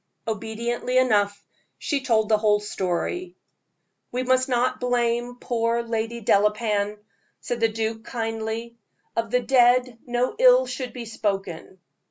Obediently enough, she told the whole story. "We must not blame poor Lady Delapain," said the duke, kindly; "of the dead no ill should be spoken.